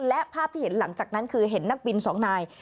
และภาพที่เห็นหลังจากนั้นคือเห็นนักบินสองนาย